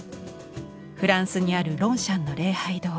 フランスにある「ロンシャンの礼拝堂」。